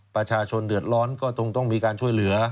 ประชาชนเดือดร้อนก็ต้องมีการช่วยเหลือ